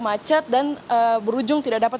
macet dan berujung tidak dapat